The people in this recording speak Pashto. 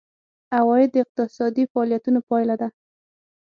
عواید د اقتصادي فعالیتونو پایله ده.